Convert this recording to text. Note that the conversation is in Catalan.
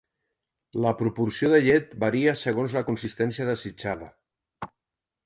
La proporció de llet varia segons la consistència desitjada.